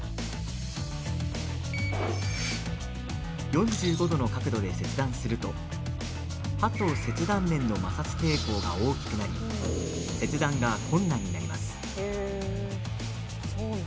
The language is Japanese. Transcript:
４５度の角度で切断すると刃と切断面の摩擦抵抗が大きくなり切断が困難になります。